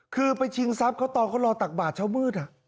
คือไปชิงทรัพย์เขาตอนเขารอตักบาทเช้ามืด